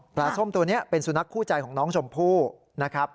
ส้มตัวนี้เป็นสุนัขคู่ใจของน้องชมพู่นะครับ